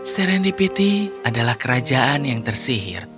serendipity adalah kerajaan yang tersihir